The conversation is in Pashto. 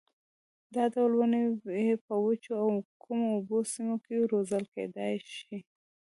دا ډول ونې په وچو او کمو اوبو سیمو کې روزل کېدلای شي.